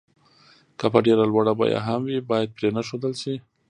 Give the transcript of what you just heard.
که په ډېره لوړه بيه هم وي بايد پرې نه ښودل شي.